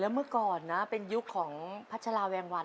แล้วเมื่อก่อนนะเป็นยุคของพัชราแวงวันเลยนะใช่มั้ยฮะ